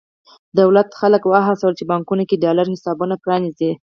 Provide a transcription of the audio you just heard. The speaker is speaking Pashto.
دولت خلک وهڅول چې په بانکونو کې ډالري حسابونه پرانېزي.